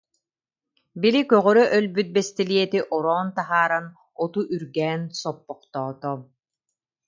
Били көҕөрө өлбүт бэстилиэти ороон таһааран, оту үргээн соппохтоото